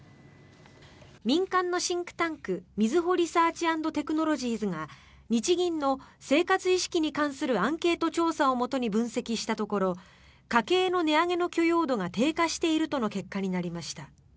民間のシンクタンクみずほリサーチ＆テクノロジーズが日銀の生活意識に関するアンケート調査をもとに分析したところ家計の値上げの許容度が低下しているとの結果になりました。